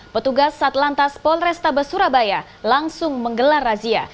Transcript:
petugas satlantas polrestabes surabaya langsung menggelar razia